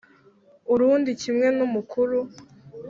Urundi kimwe n umukuru